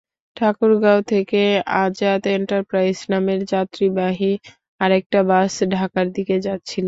ঠাকুরগাঁও থেকে আজাদ এন্টারপ্রাইজ নামের যাত্রীবাহী আরেকটি বাস ঢাকার দিকে যাচ্ছিল।